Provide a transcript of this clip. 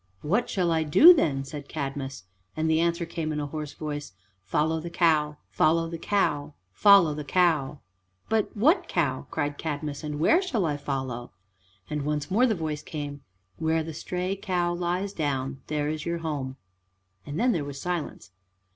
"What shall I do, then?" said Cadmus. And the answer came, in a hoarse voice, "Follow the cow, follow the cow, follow the cow." "But what cow," cried Cadmus, "and where shall I follow?" And once more the voice came, "Where the stray cow lies down, there is your home;" and then there was silence.